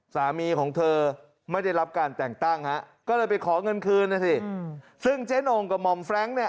สามีของเธอไม่ได้รับการแต่งตั้งฮะก็เลยไปขอเงินคืนนะสิซึ่งเจ๊โน่งกับหม่อมแร้งเนี่ย